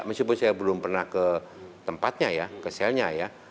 meskipun saya belum pernah ke tempatnya ya ke selnya ya